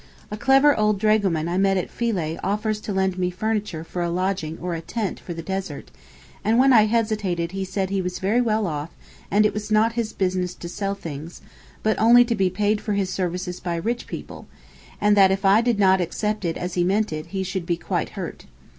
A clever old dragoman I met at Philæ offers to lend me furniture for a lodging or a tent for the desert, and when I hesitated he said he was very well off and it was not his business to sell things, but only to be paid for his services by rich people, and that if I did not accept it as he meant it he should be quite hurt.